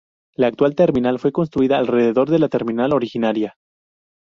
La actual terminal fue construida alrededor de la terminal originaria.